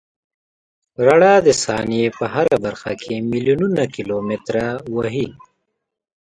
رڼا د ثانیې په هره برخه کې میلیونونه کیلومتره وهي.